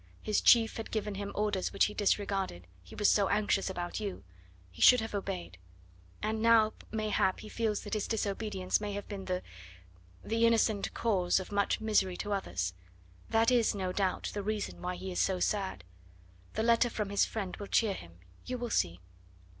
His chief had given him orders which he disregarded he was so anxious about you he should have obeyed; and now, mayhap, he feels that his disobedience may have been the the innocent cause of much misery to others; that is, no doubt, the reason why he is so sad. The letter from his friend will cheer him, you will see."